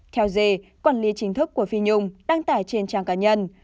theo dê quản lý chính thức của phi nhung đang tải trên trang cá nhân